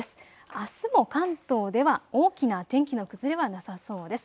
あすも関東では大きな天気の崩れはなさそうです。